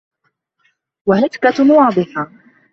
وَهَتْكَةٌ وَاضِحَةٌ